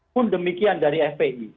pun demikian dari fpi